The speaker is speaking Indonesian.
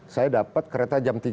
saya dapat kereta jam tiga